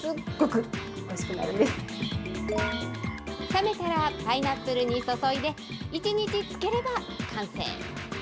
冷めたらパイナップルに注いで、１日漬ければ完成。